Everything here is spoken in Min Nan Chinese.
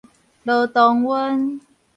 羅彤恩